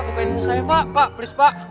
bukain ini saya pak pak please pak